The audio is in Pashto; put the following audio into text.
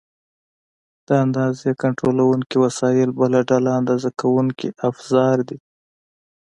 د اندازې کنټرولونکي وسایل بله ډله اندازه کوونکي افزار دي.